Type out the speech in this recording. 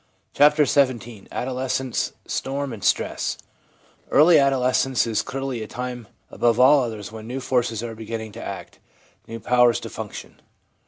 CHAPTER XVII ADOLESCENCE— STORM AND STRESS EARLY adolescence is clearly a time above all others when new forces are beginning to act, new powers to function.